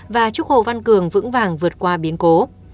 và chúc hồ văn cường vững vàng vượt qua biến cố